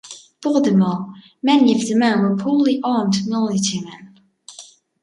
Furthermore, many of the men were poorly armed militiamen.